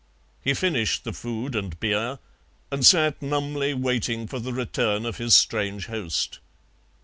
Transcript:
He finished the food and beer and sat numbly waiting for the return of his strange host.